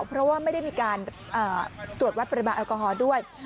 เพราะว่าไม่ได้มีการตรวจวัดปริมาณแอลกอฮอล์ด้วย